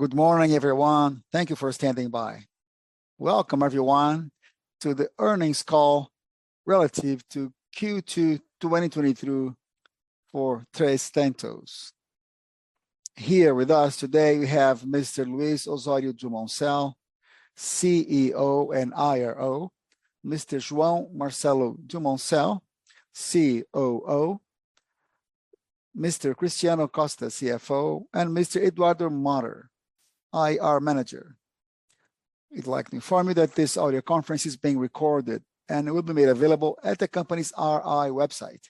Good morning, everyone. Thank you for standing by. Welcome, everyone, to the earnings call relative to Q2 2023 for Três Tentos. Here with us today, we have Mr. Luiz Osório Dumoncel, CEO and IRO, Mr. João Marcelo Dumoncel, COO, Mr. Cristiano Costa, CFO, and Mr. Eduardo Motta, IR Manager. I'd like to inform you that this audio conference is being recorded and will be made available at the company's RI website,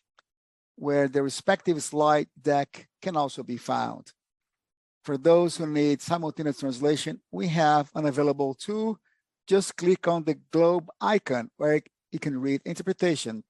where the respective slide deck can also be found. For those who need simultaneous translation, we have one available, too. Just click on the globe icon, where you can read interpretation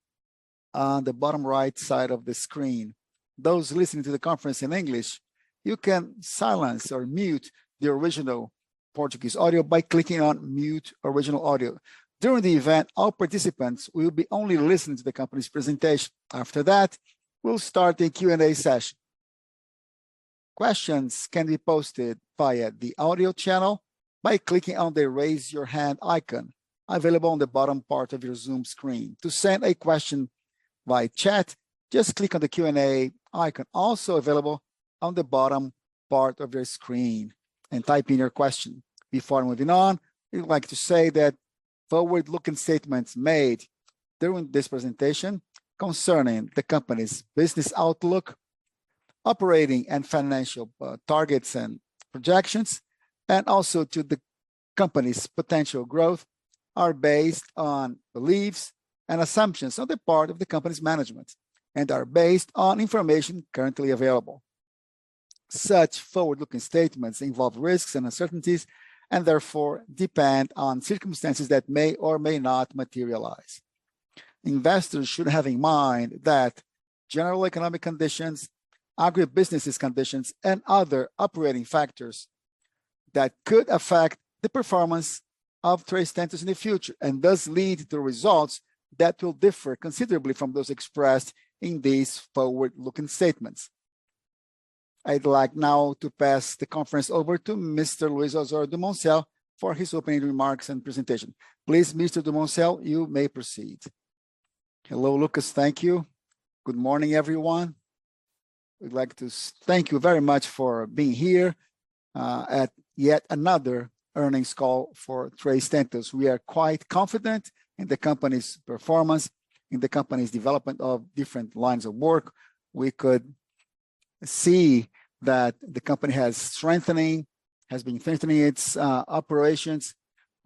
on the bottom right side of the screen. Those listening to the conference in English, you can silence or mute the original Portuguese audio by clicking on Mute Original Audio. During the event, all participants will be only listening to the company's presentation. After that, we'll start the Q&A session. Questions can be posted via the audio channel by clicking on the Raise Your Hand icon available on the bottom part of your Zoom screen. To send a question by chat, just click on the Q&A icon, also available on the bottom part of your screen, and type in your question. Before moving on, we'd like to say that forward-looking statements made during this presentation concerning the company's business outlook, operating and financial targets and projections, and also to the company's potential growth, are based on beliefs and assumptions on the part of the company's management and are based on information currently available. Such forward-looking statements involve risks and uncertainties, therefore depend on circumstances that may or may not materialize. Investors should have in mind that general economic conditions, agribusiness conditions, and other operating factors that could affect the performance of Três Tentos in the future, and thus lead to results that will differ considerably from those expressed in these forward-looking statements. I'd like now to pass the conference over to Mr. Luiz Osório Dumoncel for his opening remarks and presentation. Please, Mr. Dumoncel, you may proceed. Hello, Lucas. Thank you. Good morning, everyone. We'd like to thank you very much for being here, at yet another earnings call for Três Tentos. We are quite confident in the company's performance, in the company's development of different lines of work. We could see that the company has strengthening, has been strengthening its operations,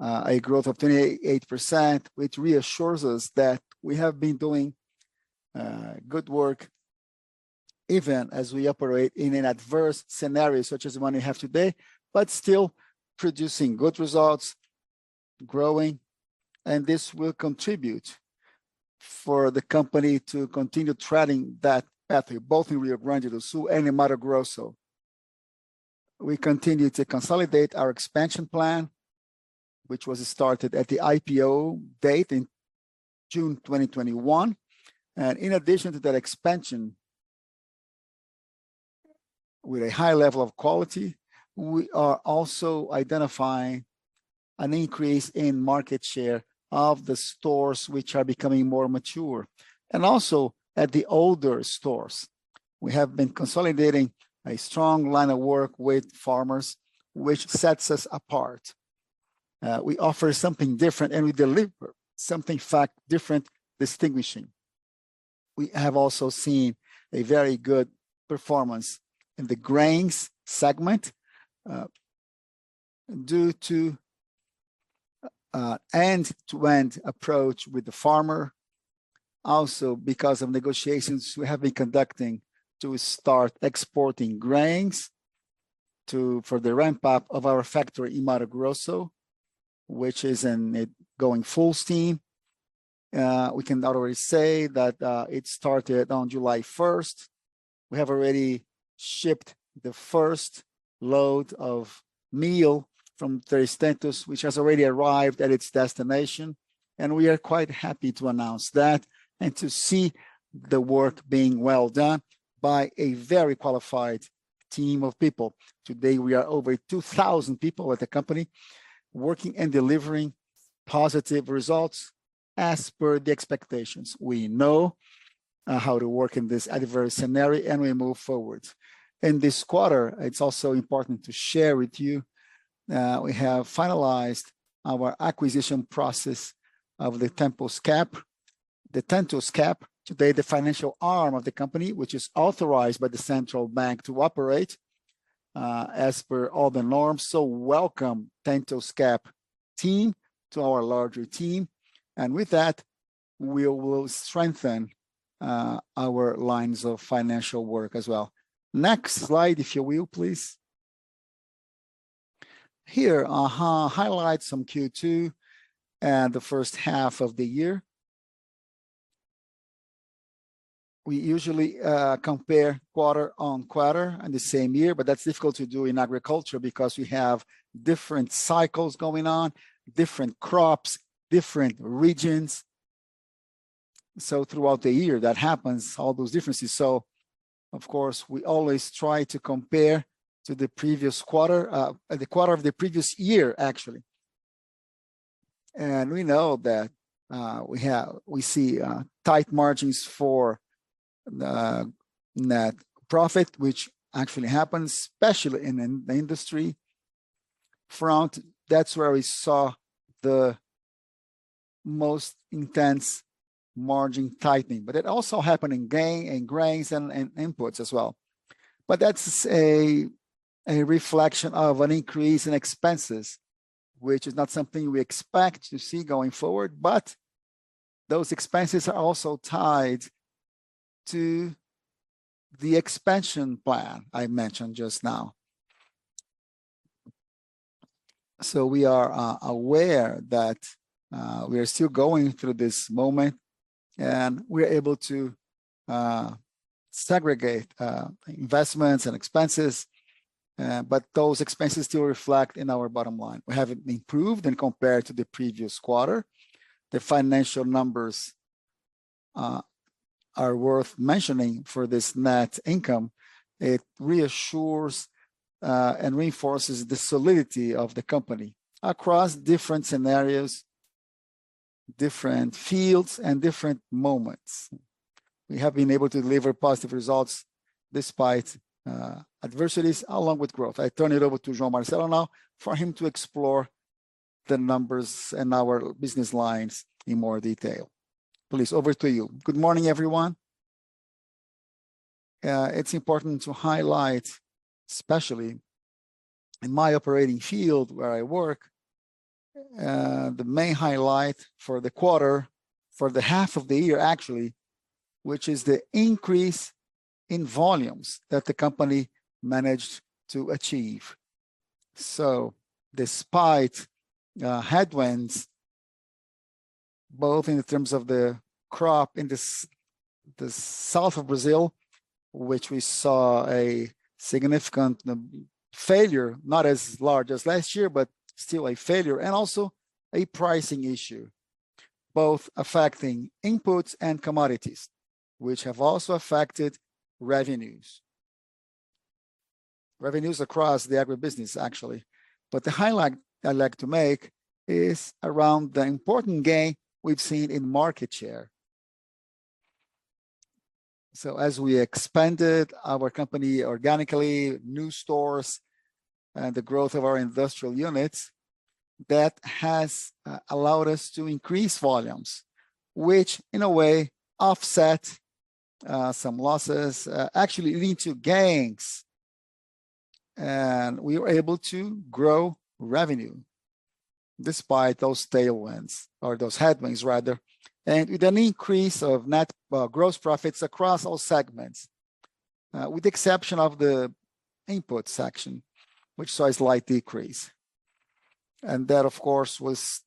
a growth of 28%, which reassures us that we have been doing good work, even as we operate in an adverse scenario such as the one we have today, but still producing good results, growing, and this will contribute for the company to continue treading that pathway, both in Rio Grande do Sul and in Mato Grosso. We continue to consolidate our expansion plan, which was started at the IPO date in June 2021. In addition to that expansion, with a high level of quality, we are also identifying an increase in market share of the stores, which are becoming more mature. Also at the older stores, we have been consolidating a strong line of work with farmers, which sets us apart. We offer something different, and we deliver something, in fact, different, distinguishing. We have also seen a very good performance in the grains segment, due to end-to-end approach with the farmer. Because of negotiations we have been conducting to start exporting grains to... for the ramp-up of our factory in Mato Grosso, it going full steam. We can already say that it started on July first. We have already shipped the first load of meal from Três Tentos, which has already arrived at its destination, and we are quite happy to announce that and to see the work being well done by a very qualified team of people. Today, we are over 2,000 people at the company, working and delivering positive results as per the expectations. We know how to work in this adverse scenario, and we move forward. In this quarter, it's also important to share with you, we have finalized our acquisition process of the TentosCap, the TentosCap, today, the financial arm of the company, which is authorized by the Central Bank to operate, as per all the norms. Welcome, TentosCap team, to our larger team. With that, we will strengthen, our lines of financial work as well. Next slide, if you will, please. Here are our highlights from Q2 and the first half of the year. We usually, compare quarter on quarter in the same year, but that's difficult to do in agriculture because we have different cycles going on, different crops, different regions.... Throughout the year, that happens, all those differences. Of course, we always try to compare to the previous quarter, the quarter of the previous year, actually. We know that we see tight margins for the net profit, which actually happens, especially in the industry front. That's where we saw the most intense margin tightening. It also happened in grains and inputs as well. That's a reflection of an increase in expenses, which is not something we expect to see going forward, but those expenses are also tied to the expansion plan I mentioned just now. We are aware that we are still going through this moment, and we're able to segregate investments and expenses, but those expenses still reflect in our bottom line. We have improved when compared to the previous quarter. The financial numbers are worth mentioning for this net income. It reassures and reinforces the solidity of the company across different scenarios, different fields, and different moments. We have been able to deliver positive results despite adversities along with growth. I turn it over to João Marcelo now for him to explore the numbers and our business lines in more detail. Please, over to you. Good morning, everyone. It's important to highlight, especially in my operating field where I work, the main highlight for the quarter, for the half of the year, actually, which is the increase in volumes that the company managed to achieve. Despite headwinds, both in terms of the crop in the south of Brazil, which we saw a significant failure, not as large as last year, but still a failure, and also a pricing issue, both affecting inputs and commodities, which have also affected revenues. Revenues across the agribusiness, actually. The highlight I'd like to make is around the important gain we've seen in market share. As we expanded our company organically, new stores, and the growth of our industrial units, that has allowed us to increase volumes, which, in a way, offset some losses, actually leading to gains. We were able to grow revenue despite those tailwinds, or those headwinds rather, with an increase of net gross profits across all segments, with the exception of the input section, which saw a slight decrease. That, of course, was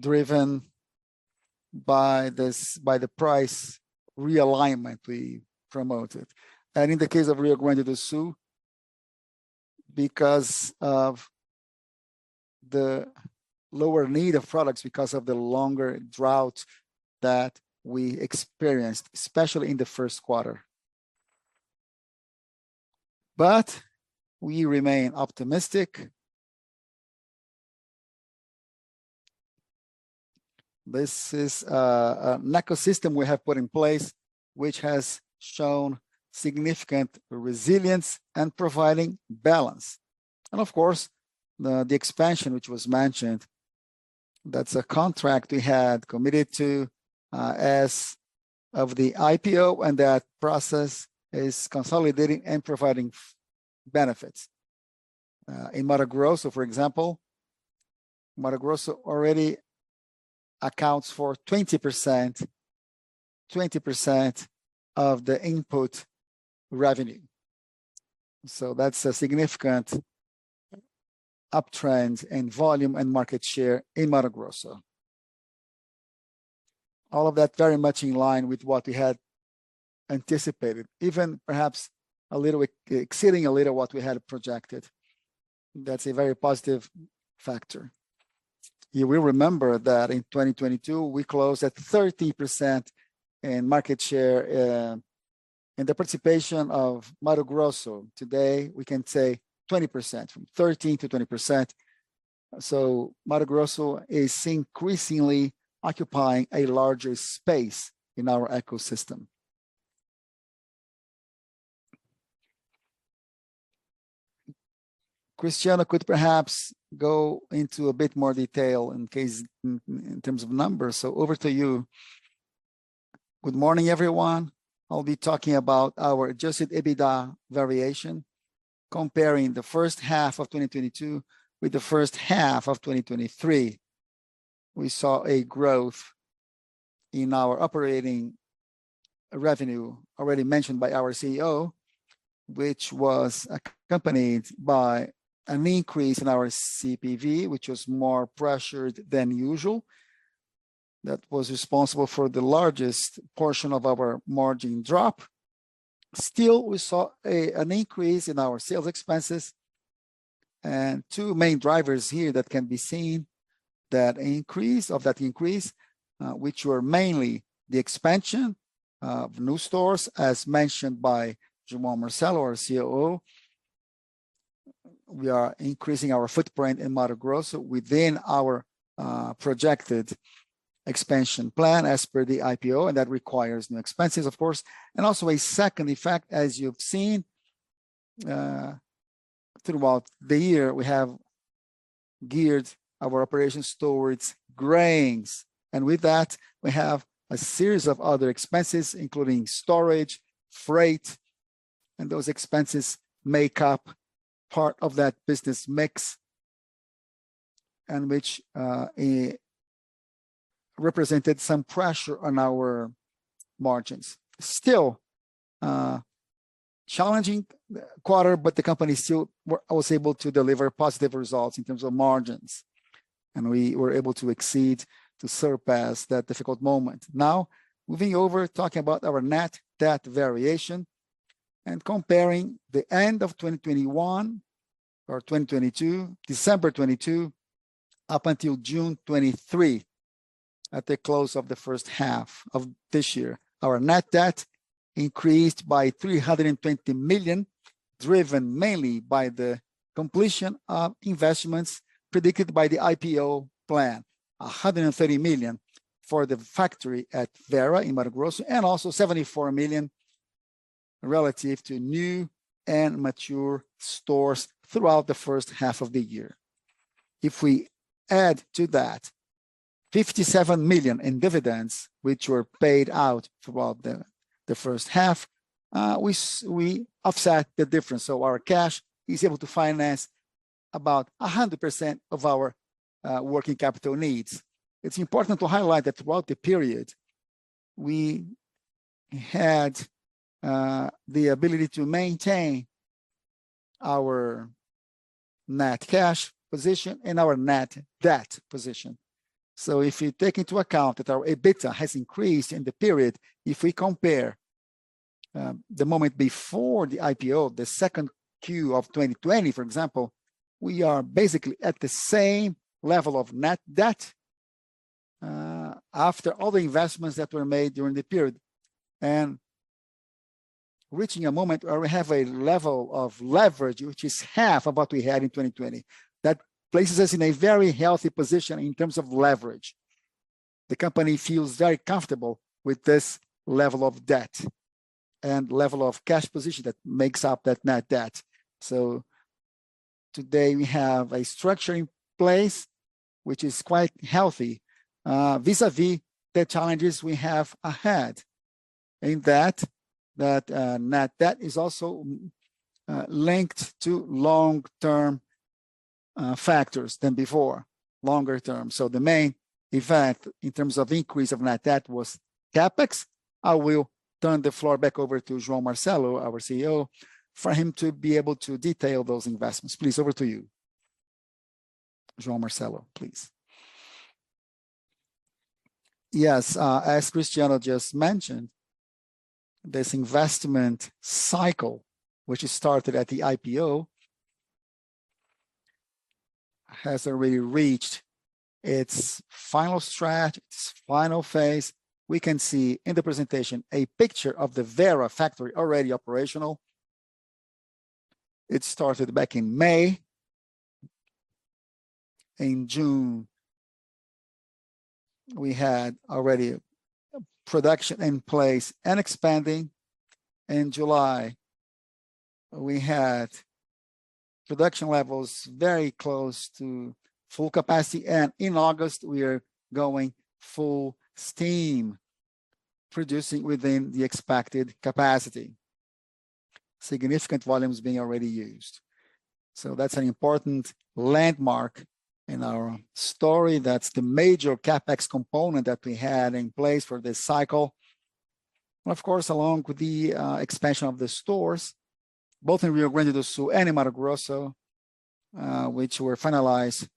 driven by this, by the price realignment we promoted. In the case of Rio Grande do Sul, because of the lower need of products, because of the longer drought that we experienced, especially in the first quarter. We remain optimistic. This is an ecosystem we have put in place, which has shown significant resilience and providing balance. Of course, the expansion, which was mentioned, that's a contract we had committed to as of the IPO, and that process is consolidating and providing benefits. In Mato Grosso, for example, Mato Grosso already accounts for 20%, 20% of the input revenue. That's a significant uptrend in volume and market share in Mato Grosso. All of that very much in line with what we had anticipated, even perhaps a little bit exceeding a little what we had projected. That's a very positive factor. You will remember that in 2022, we closed at 13% in market share in the participation of Mato Grosso. Today, we can say 20%, from 13%-20%. Mato Grosso is increasingly occupying a larger space in our ecosystem. Cristiano could perhaps go into a bit more detail in case, in, in terms of numbers. So over to you. Good morning, everyone. I'll be talking about our adjusted EBITDA variation, comparing the first half of 2022 with the first half of 2023. We saw a growth in our operating revenue, already mentioned by our CEO, which was accompanied by an increase in our CPV, which was more pressured than usual. That was responsible for the largest portion of our margin drop. Still, we saw an increase in our sales expenses- and two main drivers here that can be seen, that increase, of that increase, which were mainly the expansion of new stores, as mentioned by João Marcelo, our COO. We are increasing our footprint in Mato Grosso within our projected expansion plan as per the IPO, and that requires new expenses, of course. Also a second effect, as you've seen, throughout the year, we have geared our operations towards grains, and with that, we have a series of other expenses, including storage, freight, and those expenses make up part of that business mix, and which represented some pressure on our margins. Still, challenging quarter, but the company still w- was able to deliver positive results in terms of margins, and we were able to exceed, to surpass that difficult moment. Now, moving over, talking about our net debt variation and comparing the end of 2021 or 2022, December '22, up until June '23, at the close of the first half of this year. Our net debt increased by 320 million, driven mainly by the completion of investments predicted by the IPO plan. 130 million for the factory at Vera in Mato Grosso, and also 74 million relative to new and mature stores throughout the first half of the year. If we add to that 57 million in dividends, which were paid out throughout the first half, we offset the difference. Our cash is able to finance about 100% of our working capital needs. It's important to highlight that throughout the period, we had the ability to maintain our net cash position and our net debt position. If you take into account that our EBITDA has increased in the period, if we compare the moment before the IPO, the second Q of 2020, for example, we are basically at the same level of net debt after all the investments that were made during the period, and reaching a moment where we have a level of leverage, which is half of what we had in 2020. That places us in a very healthy position in terms of leverage. The company feels very comfortable with this level of debt and level of cash position that makes up that net debt. Today we have a structure in place which is quite healthy, vis-a-vis the challenges we have ahead in that, that net debt is also linked to long-term factors than before, longer term. The main effect in terms of increase of net debt was CapEx. I will turn the floor back over to João Marcelo, our CEO, for him to be able to detail those investments. Please, over to you, João Marcelo, please. Yes, as Cristiano just mentioned, this investment cycle, which started at the IPO, has already reached its final stretch, its final phase. We can see in the presentation a picture of the Vera factory already operational. It started back in May. In June, we had already production in place and expanding. In July, we had production levels very close to full capacity, and in August, we are going full steam, producing within the expected capacity, significant volumes being already used. That's an important landmark in our story. That's the major CapEx component that we had in place for this cycle. Of course, along with the expansion of the stores, both in Rio Grande do Sul and in Mato Grosso, which were finalized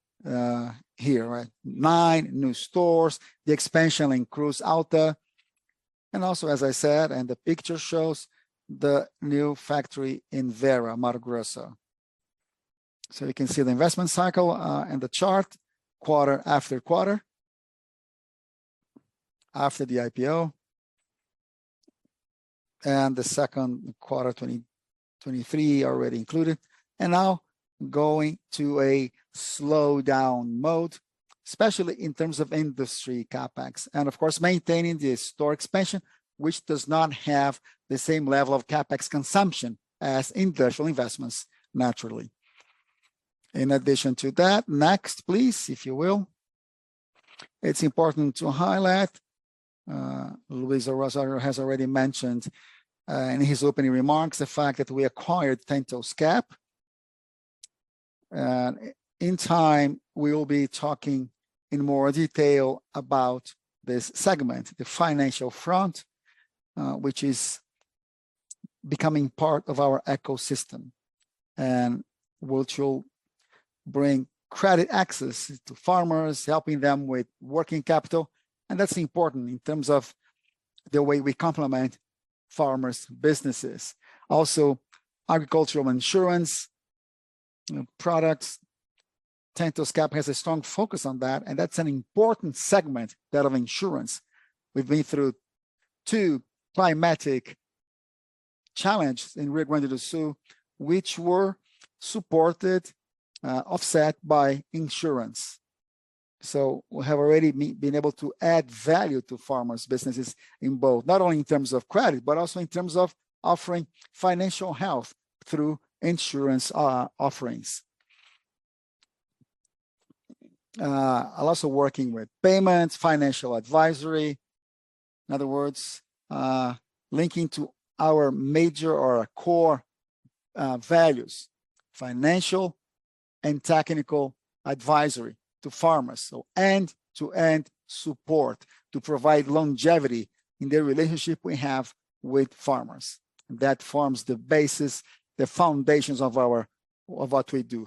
here, right? 9 new stores, the expansion in Cruz Alta, and also, as I said, and the picture shows, the new factory in Vera, Mato Grosso. You can see the investment cycle in the chart, quarter after quarter, after the IPO, and the second quarter, 2023, already included, and now going to a slowdown mode, especially in terms of industry CapEx, and of course, maintaining the store expansion, which does not have the same level of CapEx consumption as industrial investments, naturally. In addition to that, next, please, if you will. It's important to highlight, Luiz Osório has already mentioned in his opening remarks, the fact that we acquired TentosCap. In time, we will be talking in more detail about this segment, the financial front, which is becoming part of our ecosystem and which will bring credit access to farmers, helping them with working capital. That's important in terms of the way we complement farmers' businesses. Also, agricultural insurance, you know, products, TentosCap has a strong focus on that, and that's an important segment, that of insurance. We've been through two climatic challenges in Rio Grande do Sul, which were supported, offset by insurance. We have already been able to add value to farmers' businesses in both, not only in terms of credit, but also in terms of offering financial health through insurance offerings. Also working with payments, financial advisory, in other words, linking to our major or our core values, financial and technical advisory to farmers. End-to-end support to provide longevity in the relationship we have with farmers. That forms the basis, the foundations of our, of what we do.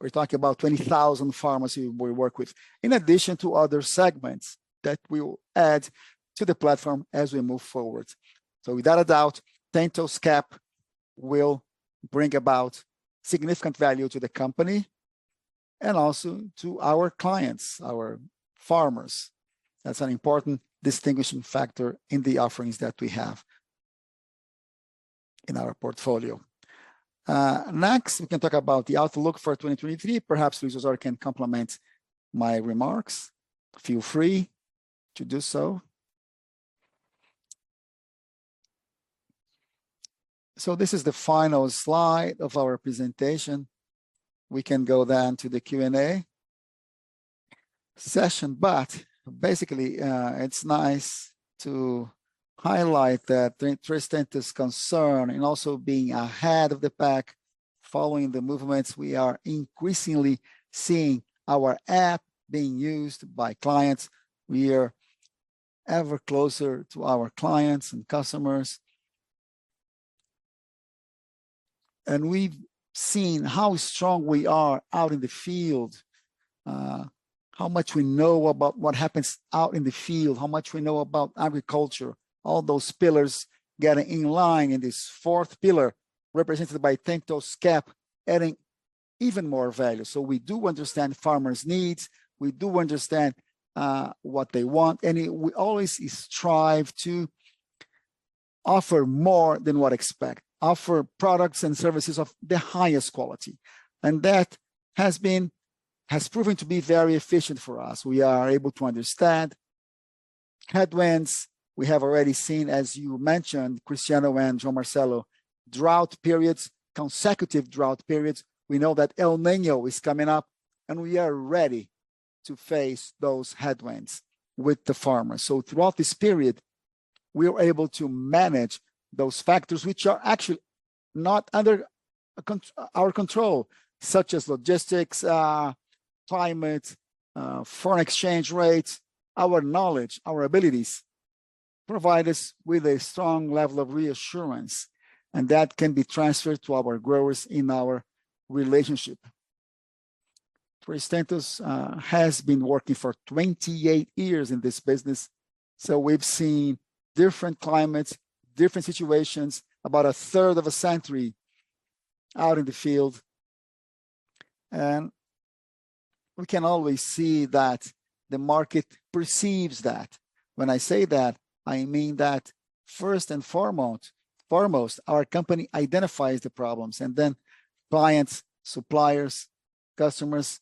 We're talking about 20,000 farmers we work with, in addition to other segments that we will add to the platform as we move forward. Without a doubt, TentosCap will bring about significant value to the company and also to our clients, our farmers. That's an important distinguishing factor in the offerings that we have in our portfolio. Next, we can talk about the outlook for 2023. Perhaps Luiz Osório can complement my remarks. Feel free to do so. This is the final slide of our presentation. We can go then to the Q&A session, but basically, it's nice to highlight that the interest in this concern and also being ahead of the pack, following the movements, we are increasingly seeing our app being used by clients. We are ever closer to our clients and customers. We've seen how strong we are out in the field, how much we know about what happens out in the field, how much we know about agriculture, all those pillars getting in line, and this fourth pillar, represented by TentosCap, adding even more value. We do understand farmers' needs, we do understand what they want, and we always strive to offer more than what expect, offer products and services of the highest quality. That has proven to be very efficient for us. We are able to understand headwinds. We have already seen, as you mentioned, Cristiano and João Marcelo, drought periods, consecutive drought periods. We know that El Niño is coming up, and we are ready to face those headwinds with the farmers. Throughout this period, we are able to manage those factors which are actually not under our control, such as logistics, climate, foreign exchange rates. Our knowledge, our abilities, provide us with a strong level of reassurance, and that can be transferred to our growers in our relationship. Três Tentos has been working for 28 years in this business, so we've seen different climates, different situations, about a third of a century out in the field, and we can always see that the market perceives that. When I say that, I mean that first and foremost, foremost, our company identifies the problems, and then clients, suppliers, customers,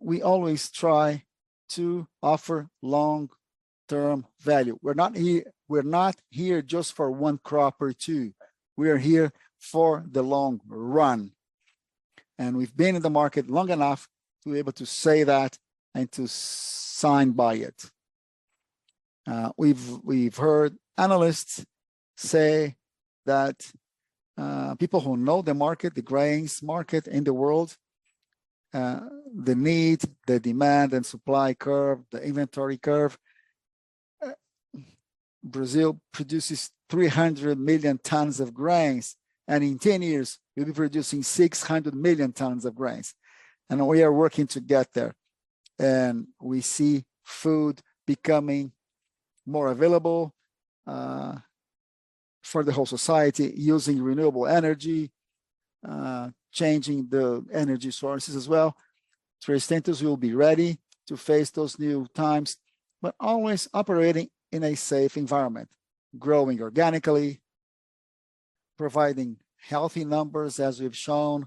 we always try to offer long-term value. We're not here, we're not here just for one crop or two. We are here for the long run, and we've been in the market long enough to be able to say that and to sign by it. We've, we've heard analysts say that, people who know the market, the grains market in the world, the need, the demand and supply curve, the inventory curve, Brazil produces 300 million tons of grains. In 10 years, we'll be producing 600 million tons of grains. We are working to get there. We see food becoming more available for the whole society, using renewable energy, changing the energy sources as well. Três Tentos will be ready to face those new times, but always operating in a safe environment, growing organically, providing healthy numbers, as we've shown.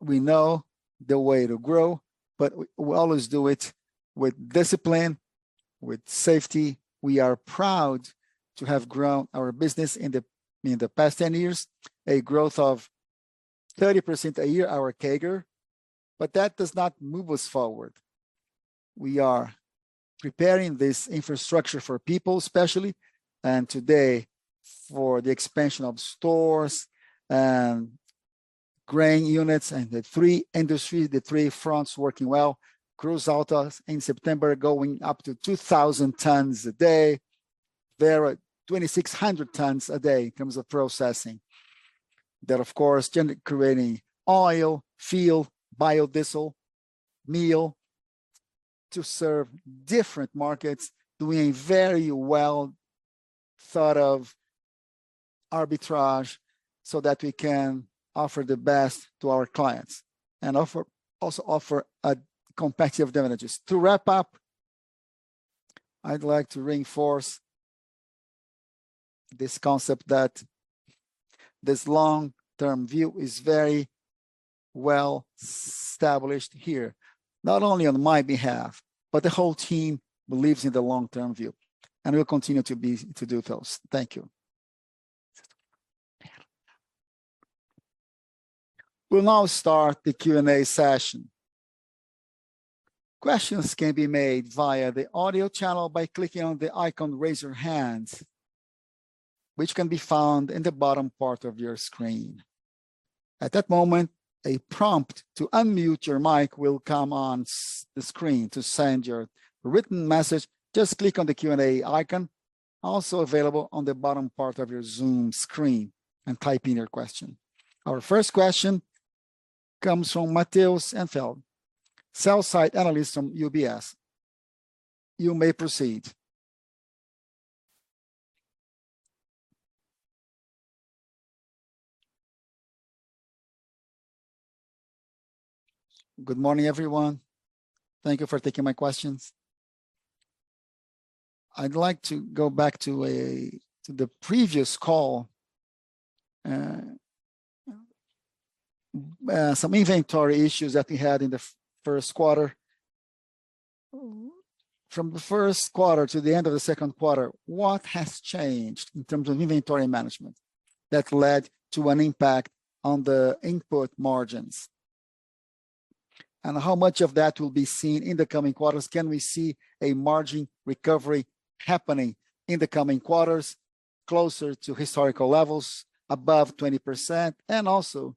We know the way to grow, but we always do it with discipline, with safety. We are proud to have grown our business in the past 10 years, a growth of 30% a year, our CAGR, that does not move us forward. We are preparing this infrastructure for people, especially, and today for the expansion of stores, grain units, and the three industries, the three fronts working well. Cruz Alta in September, going up to 2,000 tons a day. There are 2,600 tons a day in terms of processing. That, of course, generating oil, fuel, biodiesel, meal to serve different markets, doing a very well thought of arbitrage so that we can offer the best to our clients, and also offer a competitive advantages. To wrap up, I'd like to reinforce this concept that this long-term view is very well established here, not only on my behalf, but the whole team believes in the long-term view, and will continue to be, to do so. Thank you. We'll now start the Q&A session. Questions can be made via the audio channel by clicking on the icon Raise Your Hand, which can be found in the bottom part of your screen. At that moment, a prompt to unmute your mic will come on the screen. To send your written message, just click on the Q&A icon, also available on the bottom part of your Zoom screen, and type in your question. Our first question comes from Mateus Raffaelli, Equity Analyst from Itaú BBA. You may proceed. Good morning, everyone. Thank you for taking my questions. I'd like to go back to a, to the previous call, some inventory issues that we had in the first quarter. From the first quarter to the end of the second quarter, what has changed in terms of inventory management that led to an impact on the input margins? How much of that will be seen in the coming quarters? Can we see a margin recovery happening in the coming quarters, closer to historical levels, above 20%? Also,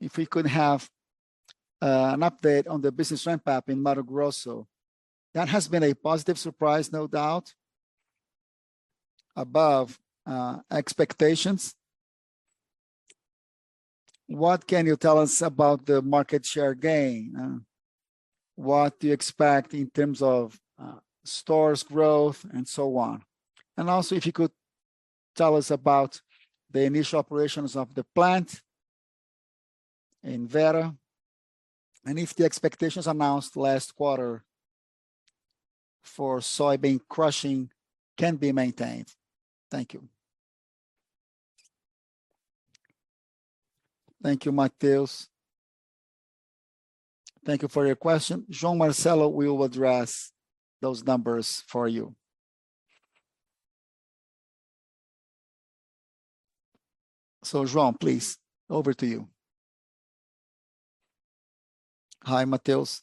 if we could have an update on the business ramp-up in Mato Grosso. That has been a positive surprise, no doubt, above expectations. What can you tell us about the market share gain, what do you expect in terms of stores growth, and so on? And also, if you could tell us about the initial operations of the plant in Vera, and if the expectations announced last quarter for soybean crushing can be maintained. Thank you. Thank you, Mateus. Thank you for your question. João Marcelo will address those numbers for you. João, please, over to you. Hi, Mateus.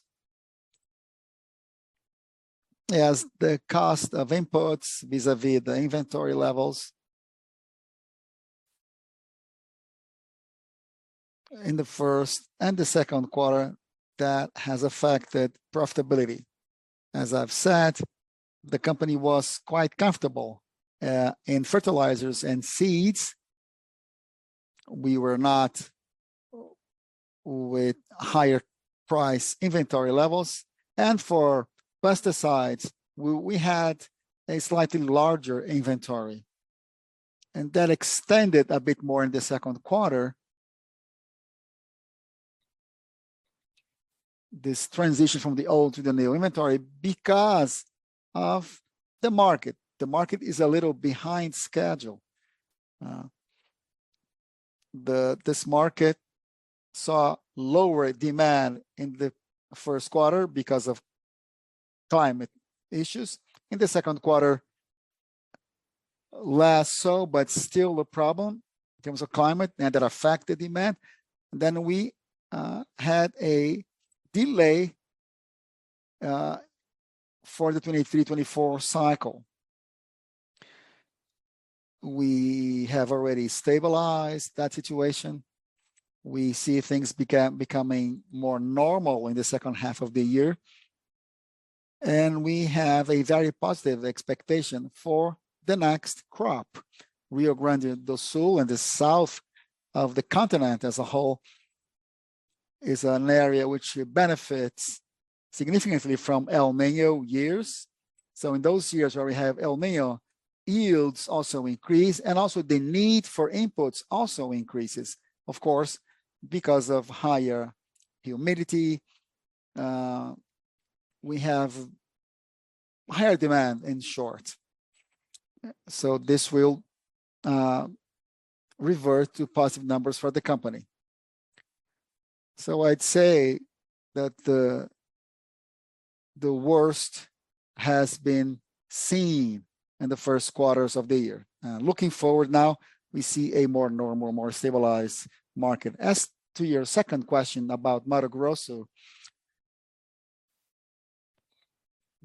Yes, the cost of imports vis-a-vis the inventory levels in the first and the second quarter, that has affected profitability. As I've said, the company was quite comfortable in fertilizers and seeds. We were not with higher price inventory levels. For pesticides, we, we had a slightly larger inventory, and that extended a bit more in the second quarter, this transition from the old to the new inventory, because of the market. The market is a little behind schedule. This market saw lower demand in the first quarter because of climate issues. In the second quarter, less so, but still a problem in terms of climate. That affected demand. We had a delay for the 2023, 2024 cycle. We have already stabilized that situation. We see things becoming more normal in the second half of the year. We have a very positive expectation for the next crop. Rio Grande do Sul and the south of the continent as a whole is an area which benefits significantly from El Niño years. In those years where we have El Niño, yields also increase, and also the need for inputs also increases, of course, because of higher humidity. We have higher demand, in short. This will revert to positive numbers for the company. I'd say that the, the worst has been seen in the first quarters of the year. Looking forward now, we see a more normal, more stabilized market. As to your second question about Mato Grosso,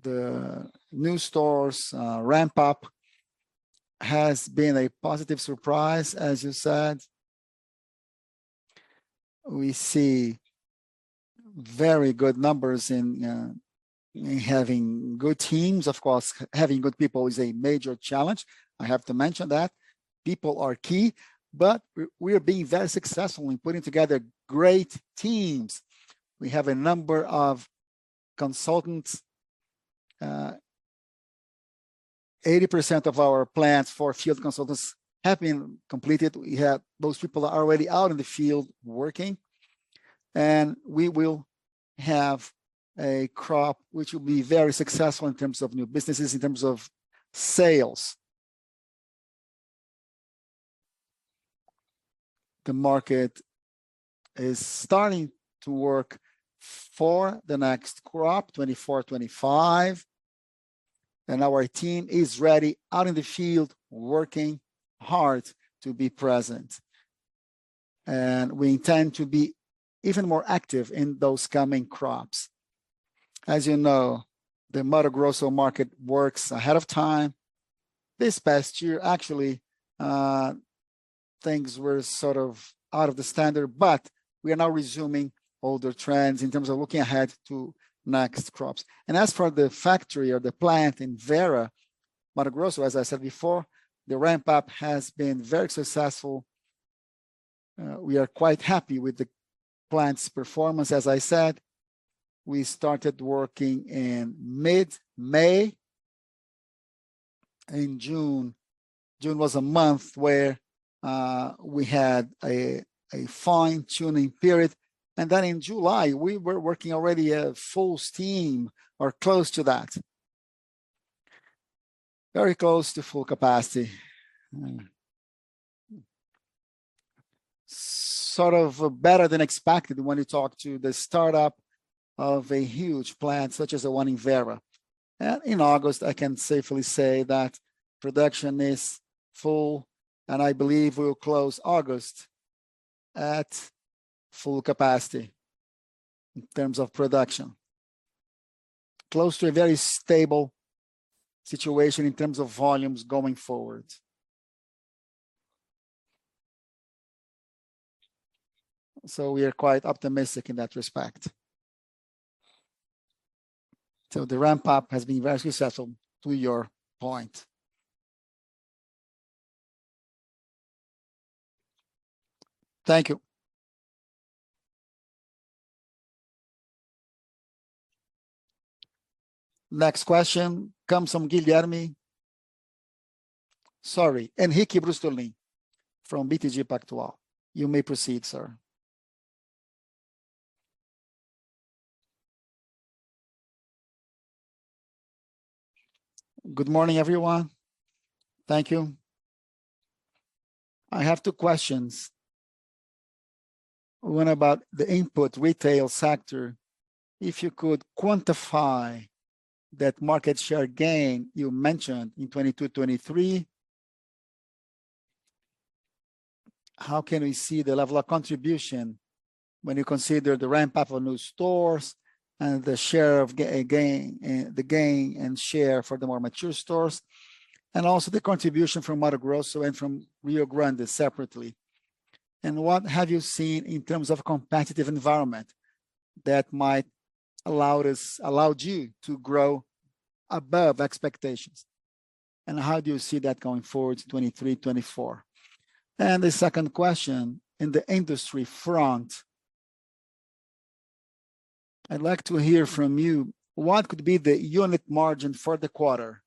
the new stores, ramp-up has been a positive surprise, as you said.... We see very good numbers in, in having good teams. Of course, having good people is a major challenge. I have to mention that. People are key, but we, we are being very successful in putting together great teams. We have a number of consultants. 80% of our plans for field consultants have been completed. Those people are already out in the field working, and we will have a crop which will be very successful in terms of new businesses, in terms of sales. The market is starting to work for the next crop, 2024, 2025, and our team is ready out in the field, working hard to be present, and we intend to be even more active in those coming crops. As you know, the Mato Grosso market works ahead of time. This past year, actually, things were sort of out of the standard, but we are now resuming older trends in terms of looking ahead to next crops. As for the factory or the plant in Vera, Mato Grosso, as I said before, the ramp-up has been very successful. We are quite happy with the plant's performance. As I said, we started working in mid-May. In June, June was a month where we had a fine-tuning period, and then in July, we were working already at full steam or close to that. Very close to full capacity. Sort of better than expected when you talk to the start-up of a huge plant, such as the one in Vera. In August, I can safely say that production is full, and I believe we'll close August at full capacity in terms of production. Close to a very stable situation in terms of volumes going forward. We are quite optimistic in that respect. The ramp-up has been very successful, to your point. Thank you. Next question comes from Guilherme. Sorry, Henrique Brustolin from BTG Pactual. You may proceed, sir. Good morning, everyone. Thank you. I have two questions. One about the input retail sector. If you could quantify that market share gain you mentioned in 2022, 2023, how can we see the level of contribution when you consider the ramp-up of new stores and the share of gain, the gain and share for the more mature stores, and also the contribution from Mato Grosso and from Rio Grande separately? What have you seen in terms of competitive environment that might allowed you to grow above expectations, and how do you see that going forward to 2023, 2024? The second question, in the industry front, I'd like to hear from you, what could be the unit margin for the quarter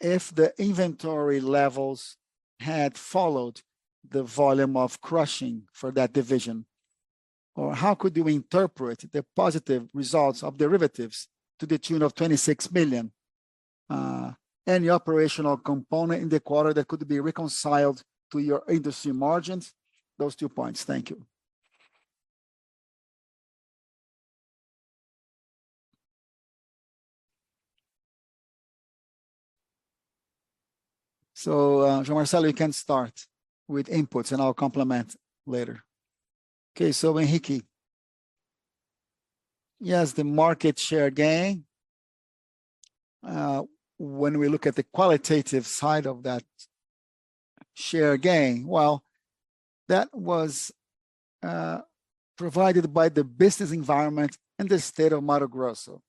if the inventory levels had followed the volume of crushing for that division? How could you interpret the positive results of derivatives to the tune of 26 million, any operational component in the quarter that could be reconciled to your industry margins? Those two points. Thank you. João Marcelo, you can start with inputs, and I'll complement later. Okay, Henrique, yes, the market share gain, when we look at the qualitative side of that share gain, well, that was provided by the business environment in the state of Mato Grosso.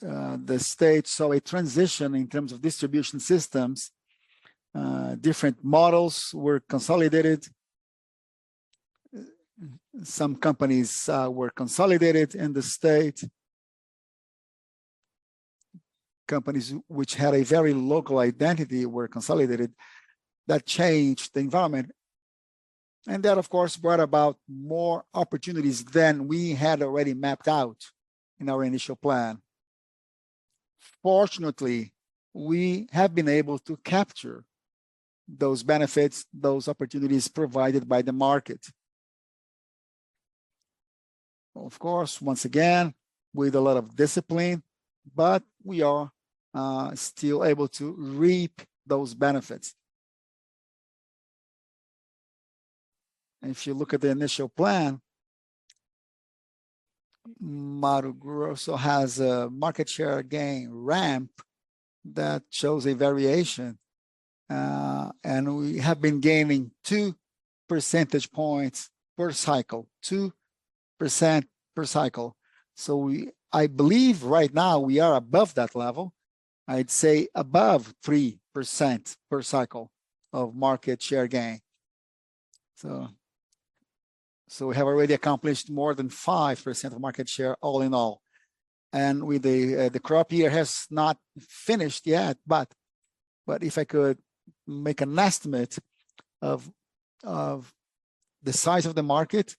The state saw a transition in terms of distribution systems, different models were consolidated. Some companies were consolidated in the state. Companies which had a very local identity were consolidated. That changed the environment, and that, of course, brought about more opportunities than we had already mapped out in our initial plan. Fortunately, we have been able to capture those benefits, those opportunities provided by the market. Of course, once again, with a lot of discipline, we are still able to reap those benefits. If you look at the initial plan-... Mato Grosso has a market share gain ramp that shows a variation. We have been gaining 2 percentage points per cycle, 2% per cycle. I believe right now we are above that level. I'd say above 3% per cycle of market share gain. We have already accomplished more than 5% of market share all in all, and with the crop year has not finished yet, but if I could make an estimate of the size of the market,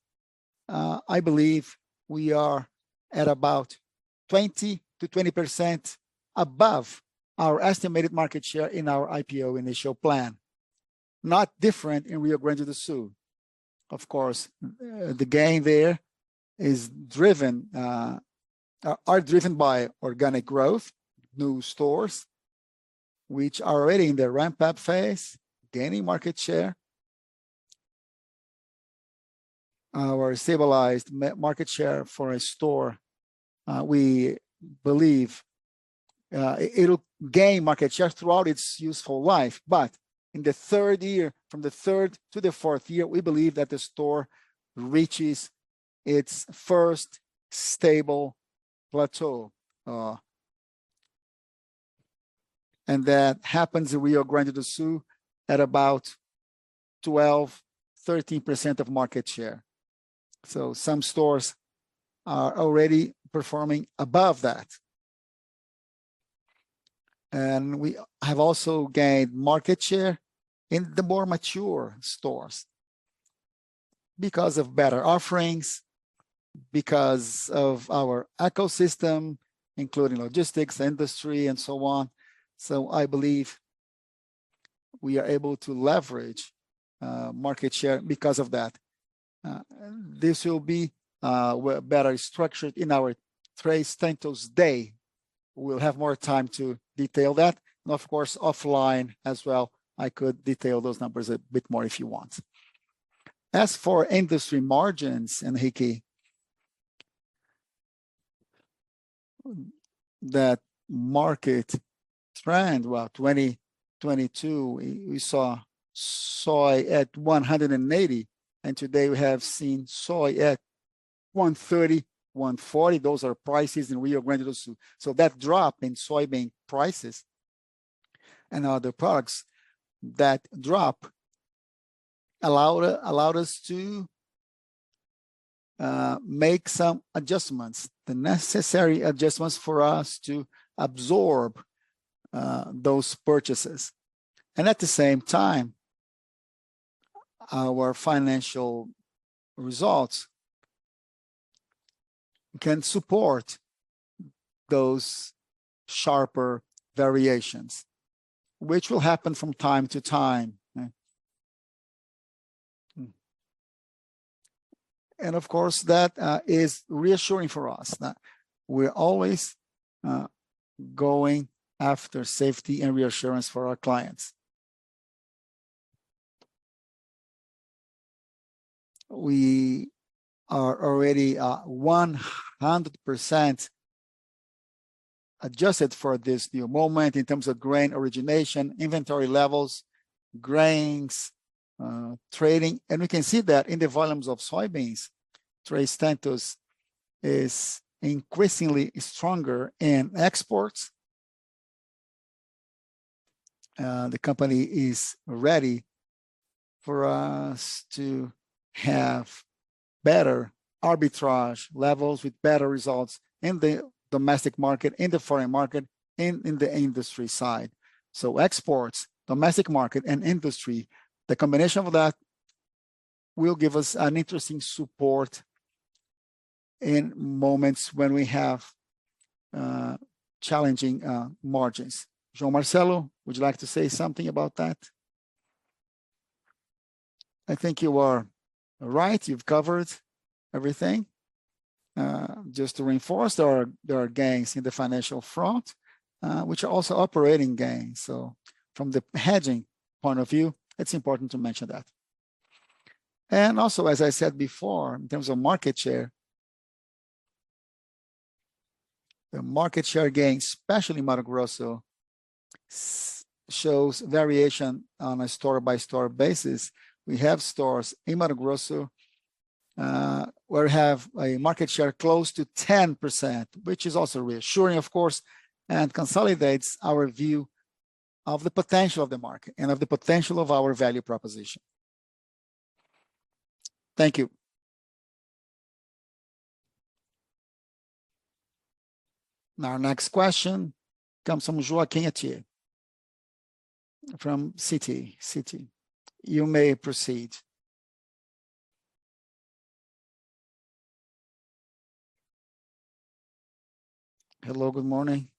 I believe we are at about 20%-20% above our estimated market share in our IPO initial plan. Not different in Rio Grande do Sul. Of course, the gain there is driven by organic growth, new stores, which are already in the ramp-up phase, gaining market share. Our stabilized market share for a store, we believe it'll gain market share throughout its useful life, but in the 3rd year, from the 3rd-4th year, we believe that the store reaches its first stable plateau. That happens in Rio Grande do Sul at about 12%-13% of market share. Some stores are already performing above that. We have also gained market share in the more mature stores because of better offerings, because of our ecosystem, including logistics, industry, and so on. I believe we are able to leverage market share because of that. This will be better structured in our Três Tentos' day. We'll have more time to detail that, and of course, offline as well, I could detail those numbers a bit more if you want. As for industry margins in Henrique, that market trend, well, 2022, we, we saw soy at 180, and today we have seen soy at 130-140. Those are prices in Rio Grande do Sul. That drop in soybean prices and other products, that drop allowed us to make some adjustments, the necessary adjustments for us to absorb those purchases. At the same time, our financial results can support those sharper variations, which will happen from time to time. Of course, that is reassuring for us, that we're always going after safety and reassurance for our clients. We are already 100% adjusted for this new moment in terms of grain origination, inventory levels, grains trading, and we can see that in the volumes of soybeans. Três Tentos is increasingly stronger in exports. The company is ready for us to have better arbitrage levels with better results in the domestic market, in the foreign market, and in the industry side. Exports, domestic market, and industry, the combination of that will give us an interesting support in moments when we have challenging margins. João Marcelo, would you like to say something about that? I think you are right. You've covered everything. Just to reinforce, there are, there are gains in the financial front, which are also operating gains. From the hedging point of view, it's important to mention that. Also, as I said before, in terms of market share, the market share gains, especially in Mato Grosso, shows variation on a store-by-store basis. We have stores in Mato Grosso, where we have a market share close to 10%, which is also reassuring, of course, and consolidates our view of the potential of the market and of the potential of our value proposition. Thank you. Our next question comes from Joaquim Atie, from Citi, Citi. You may proceed. Hello, good morning.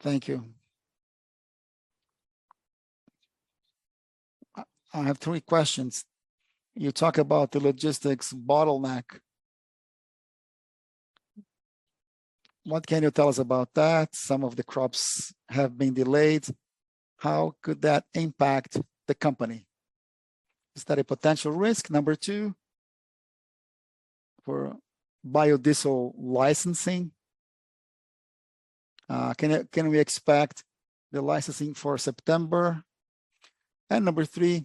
Thank you. I, I have 3 questions. You talk about the logistics bottleneck. What can you tell us about that? Some of the crops have been delayed. How could that impact the company? Is that a potential risk? Number 2, for biodiesel licensing, can, can we expect the licensing for September? Number 3,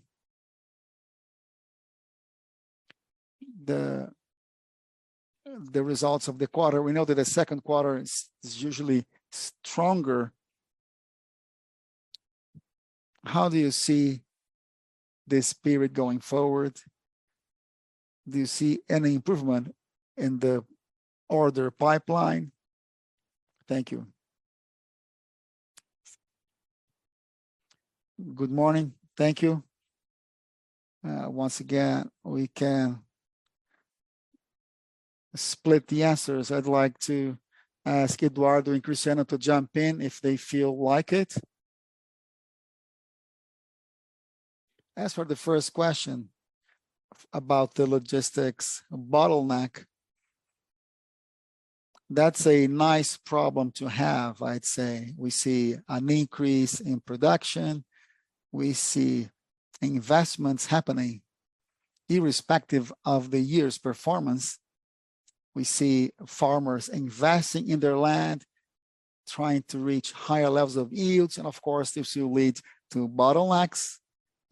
the, the results of the quarter. We know that the second quarter is, is usually stronger. How do you see this period going forward? Do you see any improvement in the order pipeline? Thank you. Good morning. Thank you. Once again, we can split the answers. I'd like to ask Eduardo and Cristiano to jump in if they feel like it. As for the first question about the logistics bottleneck, that's a nice problem to have, I'd say. We see an increase in production, we see investments happening irrespective of the year's performance. We see farmers investing in their land, trying to reach higher levels of yields, and of course, this will lead to bottlenecks,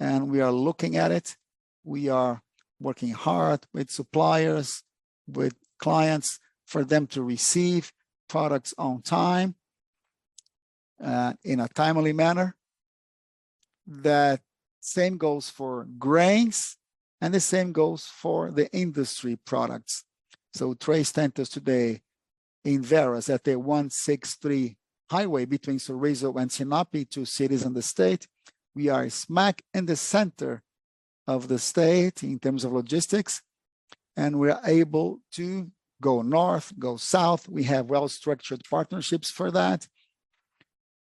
and we are looking at it. We are working hard with suppliers, with clients, for them to receive products on time, in a timely manner. The same goes for grains, the same goes for the industry products. Três Tentos today in Vera, at the BR-163 highway between Sorriso and Sinop, two cities in the state, we are smack in the center of the state in terms of logistics, and we are able to go north, go south. We have well-structured partnerships for that.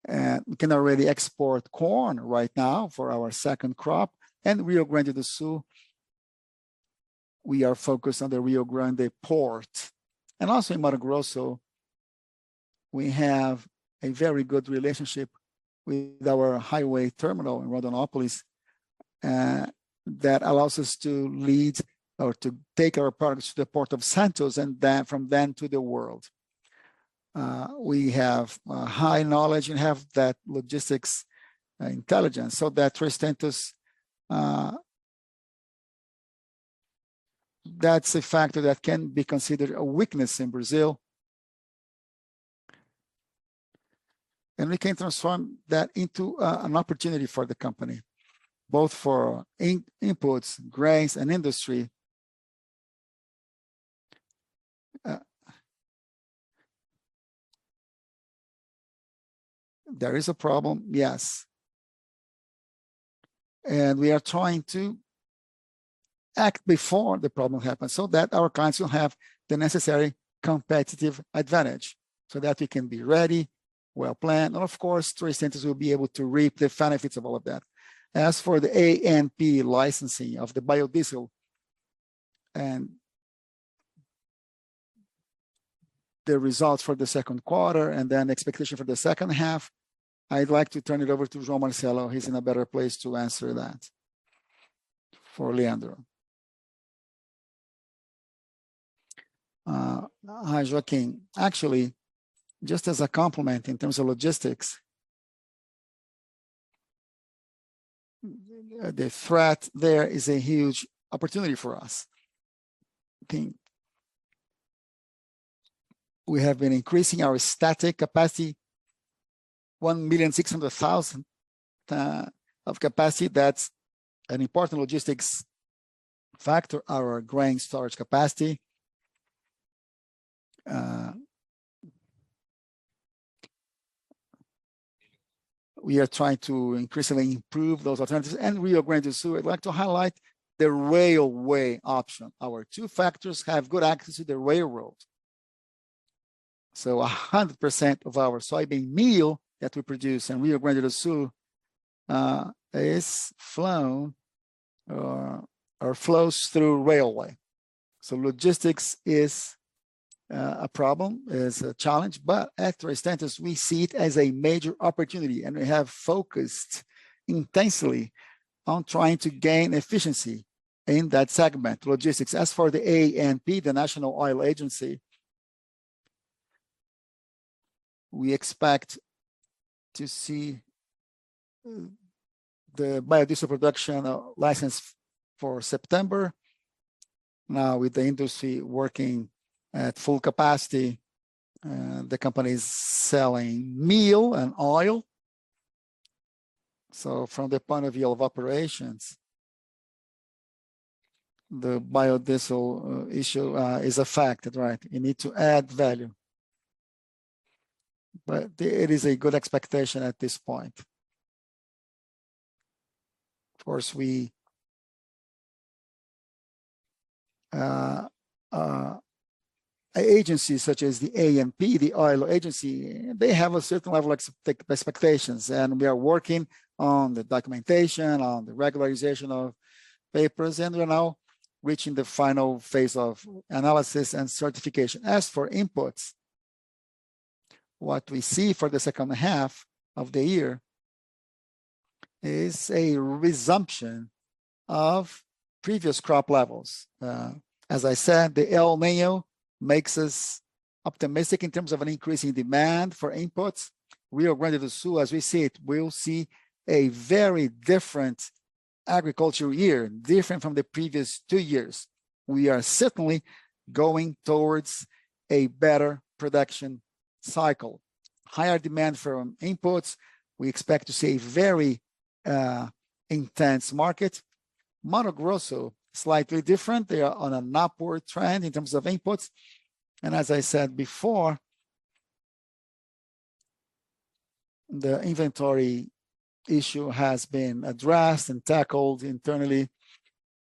We can already export corn right now for our second crop. Rio Grande do Sul, we are focused on the Rio Grande port. Also in Mato Grosso, we have a very good relationship with our highway terminal in Rondonópolis, that allows us to lead or to take our products to the port of Santos, and then from then to the world. We have high knowledge and have that logistics intelligence, so that Três Tentos, that's a factor that can be considered a weakness in Brazil. We can transform that into an opportunity for the company, both for imports, grains, and industry. There is a problem, yes, and we are trying to act before the problem happens, so that our clients will have the necessary competitive advantage, so that we can be ready, well-planned, and of course, Três Tentos will be able to reap the benefits of all of that. As for the ANP licensing of the biodiesel and the results for the second quarter, and then expectation for the second half, I'd like to turn it over to João Marcelo. He's in a better place to answer that for Leandro. Hi, Joaquin. Actually, just as a compliment, in terms of logistics, the threat there is a huge opportunity for us. I think we have been increasing our static capacity, 1,600,000 of capacity. That's an important logistics factor, our grain storage capacity. We are trying to increasingly improve those alternatives. Rio Grande do Sul, I'd like to highlight the railway option. Our two factors have good access to the railroad. 100% of our soybean meal that we produce in Rio Grande do Sul is flown or flows through railway. Logistics is a problem, is a challenge, but at Três Tentos, we see it as a major opportunity, and we have focused intensely on trying to gain efficiency in that segment, logistics. As for the ANP, the National Oil Agency, we expect to see the biodiesel production license for September. With the industry working at full capacity, the company is selling meal and oil. From the point of view of operations, the biodiesel issue is a factor, right? You need to add value. It is a good expectation at this point. We, agencies such as the ANP, the oil agency, they have a certain level of expectations, and we are working on the documentation, on the regularization of papers, and, you know, reaching the final phase of analysis and certification. As for inputs, what we see for the second half of the year is a resumption of previous crop levels. As I said, the El Niño makes us optimistic in terms of an increase in demand for inputs. Rio Grande do Sul, as we see it, we'll see a very different agricultural year, different from the previous two years. We are certainly going towards a better production cycle. Higher demand from inputs, we expect to see a very, intense market. Mato Grosso, slightly different. They are on an upward trend in terms of inputs, and as I said before, the inventory issue has been addressed and tackled internally.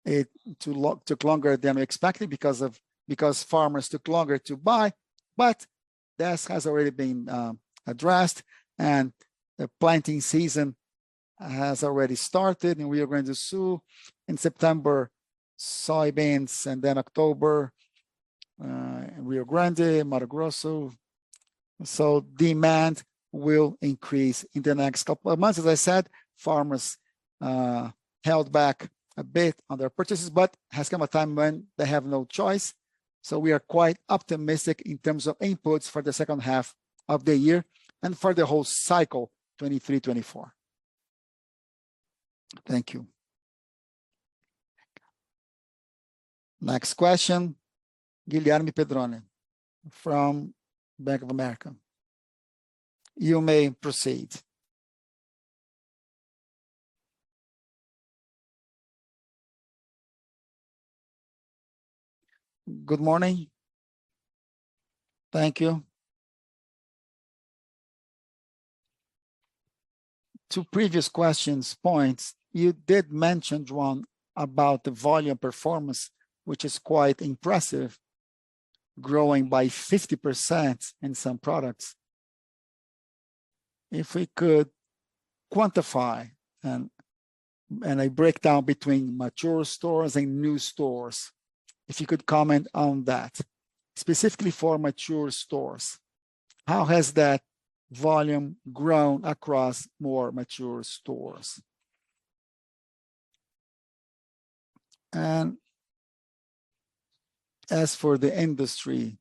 It took longer than expected because farmers took longer to buy, but this has already been addressed. The planting season has already started in Rio Grande do Sul in September, soybeans, then October in Rio Grande, Mato Grosso. Demand will increase in the next couple of months. As I said, farmers held back a bit on their purchases. But has come a time when they have no choice. We are quite optimistic in terms of inputs for the second half of the year and for the whole cycle, 2023, 2024. Thank you. Next question, Guilherme Pedroni from Bank of America. You may proceed. Good morning. Thank you. To previous questions, points, you did mention, João, about the volume performance, which is quite impressive, growing by 50% in some products. If we could quantify a breakdown between mature stores and new stores, if you could comment on that. Specifically for mature stores, how has that volume grown across more mature stores? As for the industry,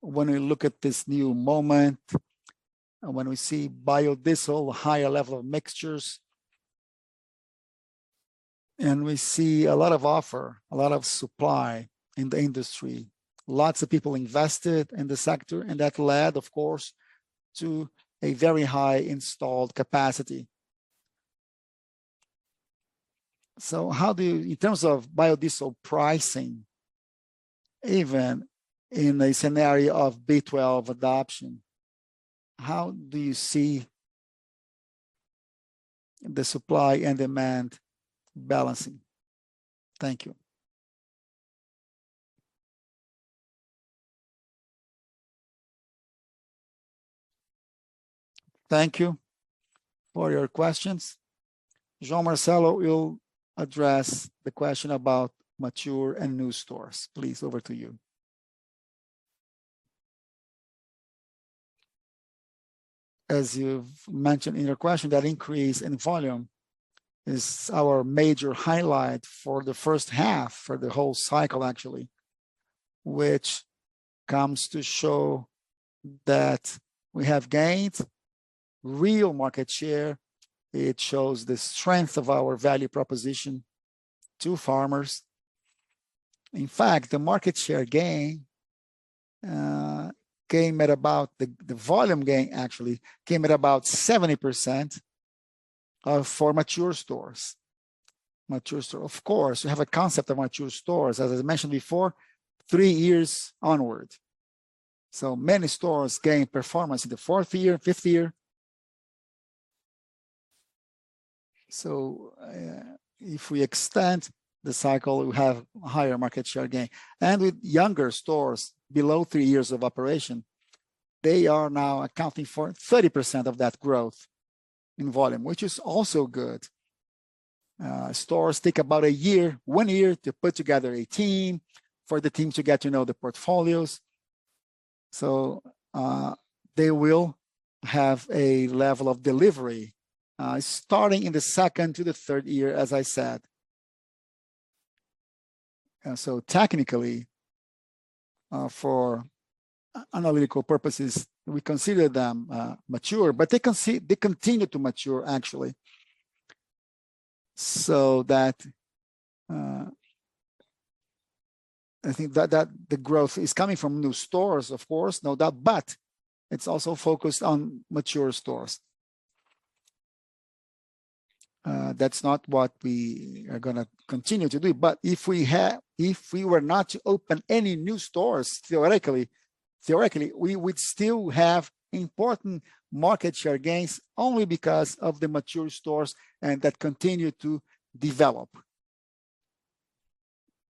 when we look at this new moment, when we see biodiesel, higher level of mixtures, we see a lot of offer, a lot of supply in the industry, lots of people invested in the sector, that led, of course, to a very high installed capacity. How do you In terms of biodiesel pricing, even in a scenario of B12 adoption, how do you see the supply and demand balancing? Thank you. Thank you for your questions. João Marcelo will address the question about mature and new stores. Please, over to you. As you've mentioned in your question, that increase in volume is our major highlight for the first half, for the whole cycle, actually, which comes to show that we have gained real market share. It shows the strength of our value proposition to farmers. In fact, the market share gain, came at about... The, the volume gain actually came at about 70% for mature stores. Mature stores, of course, we have a concept of mature stores, as I mentioned before, 3 years onwards. Many stores gain performance in the 4th year, 5th year. If we extend the cycle, we have higher market share gain. With younger stores, below 3 years of operation, they are now accounting for 30% of that growth in volume, which is also good. Stores take about a year, 1 year, to put together a team, for the team to get to know the portfolios. They will have a level of delivery, starting in the second to the third year, as I said. Technically, for analytical purposes, we consider them mature, but they continue to mature, actually. I think that the growth is coming from new stores, of course, no doubt, but it's also focused on mature stores. That's not what we are gonna continue to do, but if we were not to open any new stores, theoretically, theoretically, we would still have important market share gains only because of the mature stores and that continue to develop.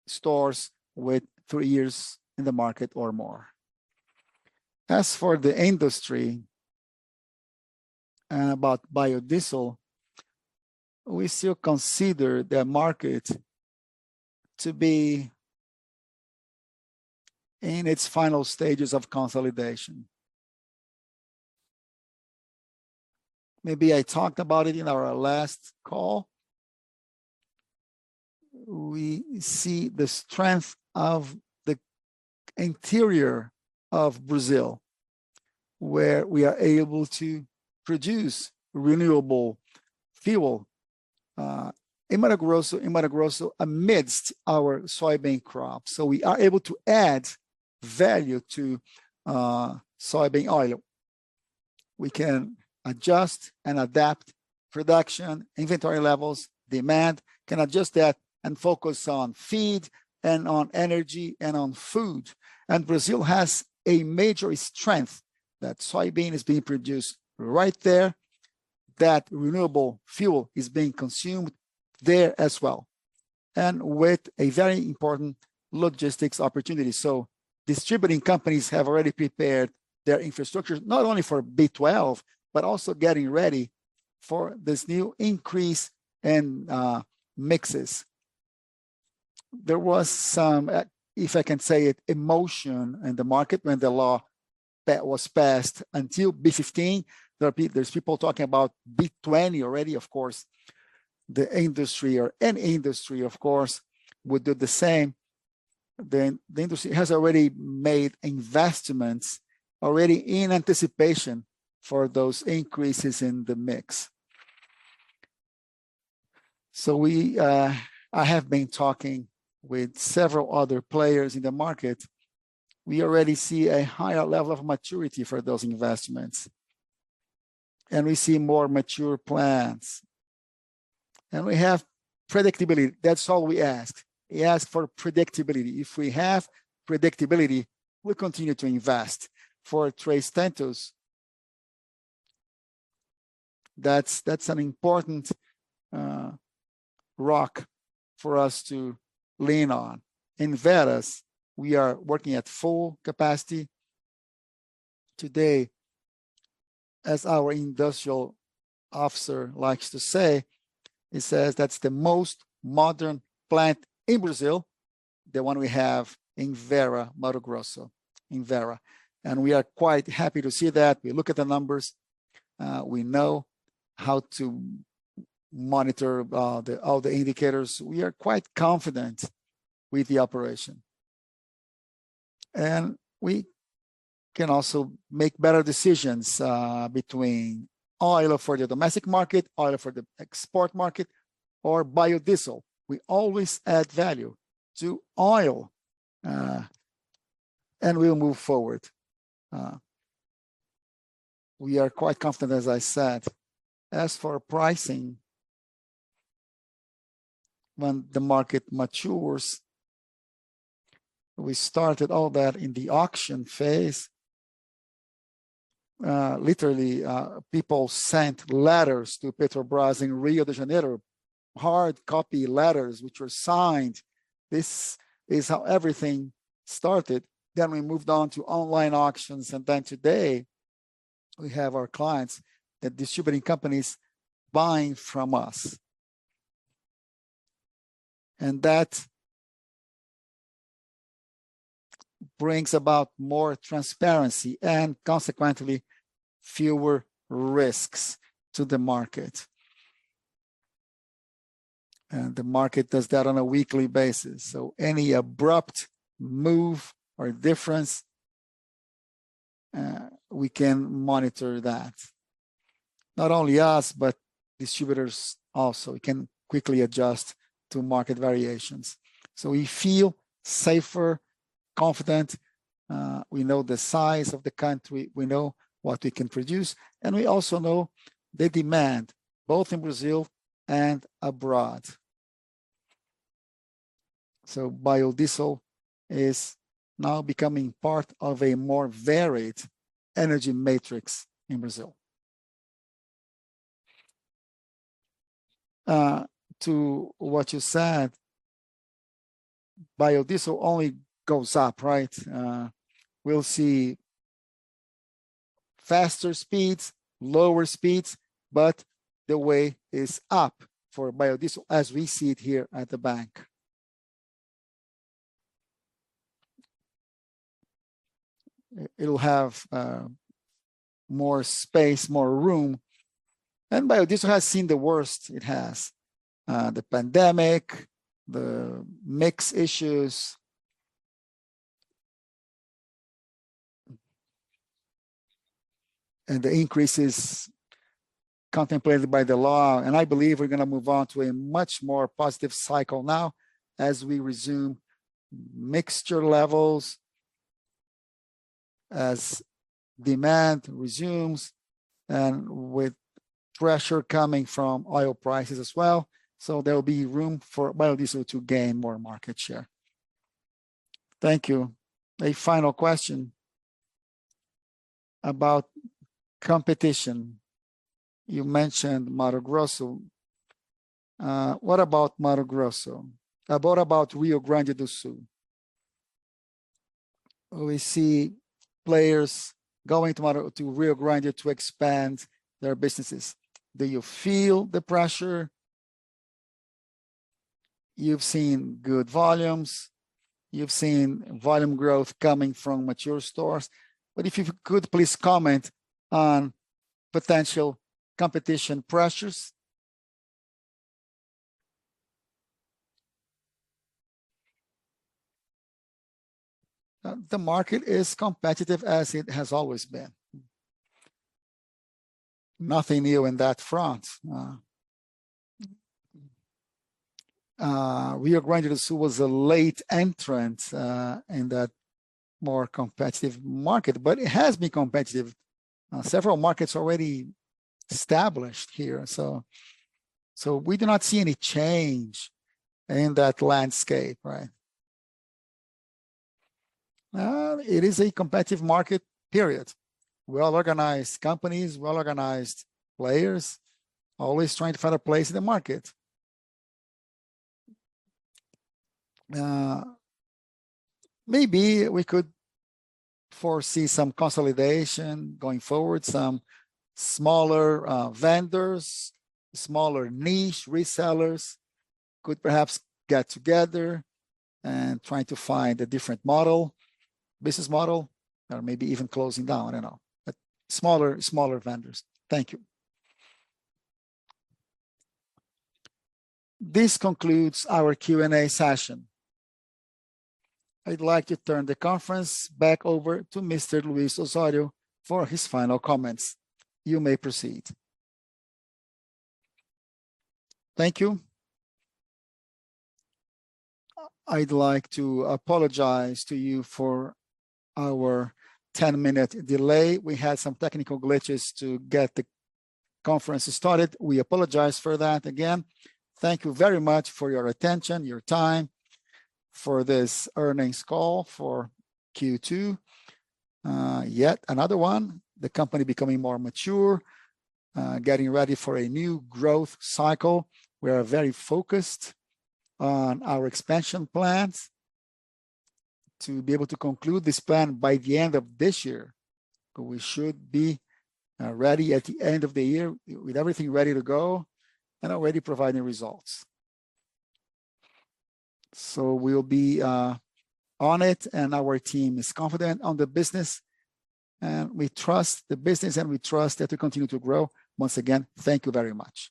Stores with 3 years in the market or more. As for the industry-... About biodiesel, we still consider the market to be in its final stages of consolidation. Maybe I talked about it in our last call. We see the strength of the interior of Brazil, where we are able to produce renewable fuel in Mato Grosso, in Mato Grosso, amidst our soybean crop. We are able to add value to soybean oil. We can adjust and adapt production, inventory levels, demand, can adjust that and focus on feed and on energy and on food. Brazil has a major strength, that soybean is being produced right there, that renewable fuel is being consumed there as well, and with a very important logistics opportunity. Distributing companies have already prepared their infrastructure, not only for B12, but also getting ready for this new increase in mixes. There was some, if I can say it, emotion in the market when the law that was passed. Until B15, there are there's people talking about B20 already. Of course, the industry or any industry, of course, would do the same. The, the industry has already made investments already in anticipation for those increases in the mix. We, I have been talking with several other players in the market. We already see a higher level of maturity for those investments, and we see more mature plans. We have predictability. That's all we ask. We ask for predictability. If we have predictability, we'll continue to invest. For Três Tentos, that's, that's an important, rock for us to lean on. In Vera, we are working at full capacity today. As our Industrial Officer likes to say, he says, "That's the most modern plant in Brazil," the one we have in Vera, Mato Grosso, in Vera. We are quite happy to see that. We look at the numbers, we know how to monitor all the indicators. We are quite confident with the operation. We can also make better decisions between oil for the domestic market, oil for the export market, or biodiesel. We always add value to oil, and we'll move forward. We are quite confident, as I said. As for pricing, when the market matures, we started all that in the auction phase. Literally, people sent letters to Petrobras in Rio de Janeiro, hard copy letters, which were signed. This is how everything started. We moved on to online auctions, and today, we have our clients, the distributing companies, buying from us. That brings about more transparency and consequently, fewer risks to the market. The market does that on a weekly basis. Any abrupt move or difference, we can monitor that. Not only us, but distributors also, we can quickly adjust to market variations. We feel safer, confident, we know the size of the country, we know what we can produce, and we also know the demand, both in Brazil and abroad. Biodiesel is now becoming part of a more varied energy matrix in Brazil. To what you said, Biodiesel only goes up, right? We'll see faster speeds, lower speeds, but the way is up for Biodiesel, as we see it here at the bank. It'll have more space, more room. Biodiesel has seen the worst it has, the pandemic, the mix issues, and the increases contemplated by the law. I believe we're gonna move on to a much more positive cycle now as we resume mixture levels, as demand resumes, and with pressure coming from oil prices as well. There will be room for biodiesel to gain more market share. Thank you. A final question about competition. You mentioned Mato Grosso. What about Mato Grosso? How about Rio Grande do Sul?... We see players going to model to Rio Grande to expand their businesses. Do you feel the pressure? You've seen good volumes, you've seen volume growth coming from mature stores, but if you could please comment on potential competition pressures. The market is competitive as it has always been. Nothing new in that front. Rio Grande was a late entrant in that more competitive market, but it has been competitive. Several markets already established here, so we do not see any change in that landscape, right? It is a competitive market, period. Well-organized companies, well-organized players, always trying to find a place in the market. Maybe we could foresee some consolidation going forward. Some smaller vendors, smaller niche resellers, could perhaps get together and try to find a different model, business model, or maybe even closing down, you know, but smaller, smaller vendors. Thank you. This concludes our Q&A session. I'd like to turn the conference back over to Mr. Luiz Osório for his final comments. You may proceed. Thank you. I'd like to apologize to you for our 10-minute delay. We had some technical glitches to get the conference started. We apologize for that. Again, thank you very much for your attention, your time for this earnings call for Q2. yet another one, the company becoming more mature, getting ready for a new growth cycle. We are very focused on our expansion plans to be able to conclude this plan by the end of this year. We should be ready at the end of the year with everything ready to go and already providing results. We'll be on it, and our team is confident on the business, and we trust the business, and we trust that we continue to grow. Once again, thank you very much.